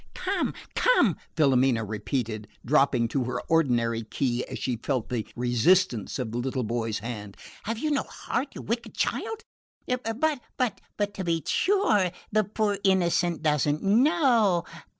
"Come, come," Filomena repeated, dropping to her ordinary key as she felt the resistance of the little boy's hand. "Have you no heart, you wicked child? But, to be sure, the poor innocent doesn't know!